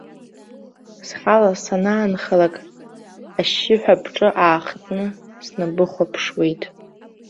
Схала санаанхалак, ашьшьыҳәа бҿы аахтны снабыхәаԥшуеит.